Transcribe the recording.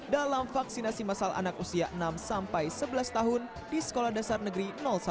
dalam vaksinasi masal anak usia enam sampai sebelas tahun di sekolah dasar negeri satu